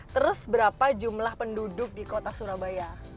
terus berapa jumlah penduduk di kota surabaya